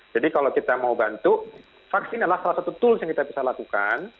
kalau kita mau bantu vaksin adalah salah satu tools yang kita bisa lakukan